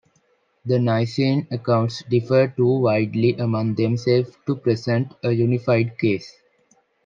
The Nicene accounts differ too widely among themselves to present a unified case.